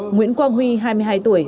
nguyễn quang huy hai mươi hai tuổi